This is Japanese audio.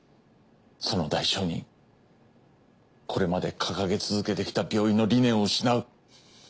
その代償にこれまで掲げ続けてきた病院の理念を失う。